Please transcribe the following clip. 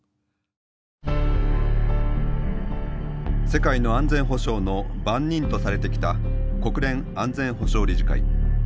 世界の安全保障の番人とされてきた国連安全保障理事会。